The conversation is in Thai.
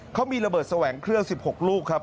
เขามีระเบิดแสวงเครื่อง๑๖ลูกครับ